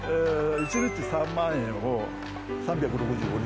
一日３万円を３６５日。